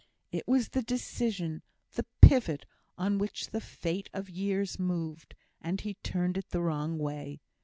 It was the decision the pivot, on which the fate of years moved; and he turned it the wrong way.